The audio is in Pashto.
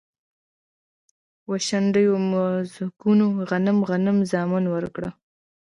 و، شنډو مځکوته غنم، غنم زامن ورکړه